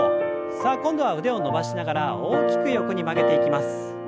さあ今度は腕を伸ばしながら大きく横に曲げていきます。